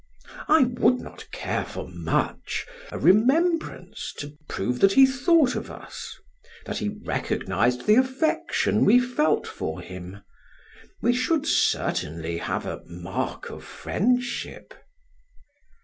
I would not care for much a remembrance to prove that he thought of us that he recognized the affection we felt for him. We should certainly have a mark of friendship."